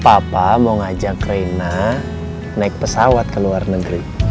papa mau ngajak reina naik pesawat ke luar negeri